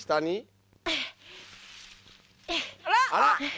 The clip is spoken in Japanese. あら！